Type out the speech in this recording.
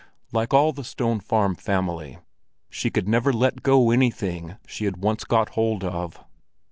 Like all the Stone Farm family, she could never let go anything she had once got hold of.